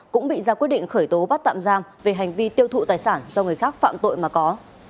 cũng bị ra quyết định khởi tố bắt tạm giam về hành vi tiêu thụ tài sản do người khác phạm tội mà có